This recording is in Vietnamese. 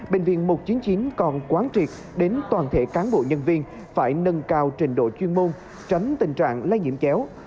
bệnh viện một trăm chín mươi chín còn quán triệt đến toàn thể cán bộ nhân viên phải nâng cao trình độ chuyên môn tránh tình trạng lây nhiễm chéo